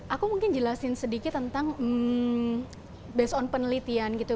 aku mungkin jelasin sedikit tentang based on penelitian gitu